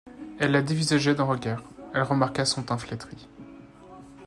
Elle la dévisageait d’un regard, elle remarqua son teint flétri.